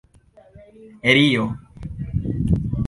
rio